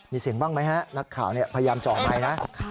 มีเสียงบ้างไหมฮะนักข่าวพยายามเจาะไมค์นะ